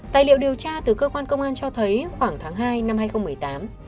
tài liệu điều tra từ cơ quan công an cho thấy khoảng tháng hai năm hai nghìn một mươi tám